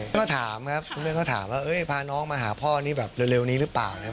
คุณแม่เขาถามครับคุณแม่เขาถามว่าพาน้องมาหาพ่อนี่แบบเร็วนี้หรือเปล่า